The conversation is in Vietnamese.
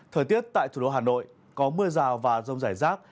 thời tiết tại thủ đô hà nội có mưa rào và rông rải rác